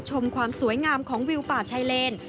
ชมความสวยงามของวิวป่าชายเลน